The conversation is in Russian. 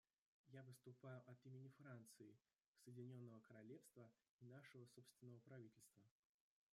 Я выступаю от имени Франции, Соединенного Королевства и нашего собственного правительства.